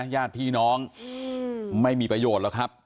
ญาติพี่น้องไม่มีประโยชน์หรอกครับ